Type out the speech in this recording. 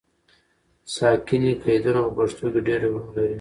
ساکني قیدونه په پښتو کې ډېر ډولونه لري.